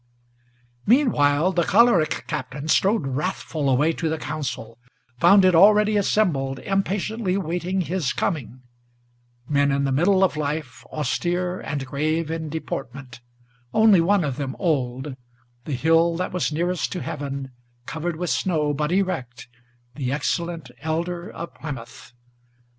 Meanwhile the choleric Captain strode wrathful away to the council, Found it already assembled, impatiently waiting his coming; Men in the middle of life, austere and grave in deportment, Only one of them old, the hill that was nearest to heaven, Covered with snow, but erect, the excellent Elder of Plymouth.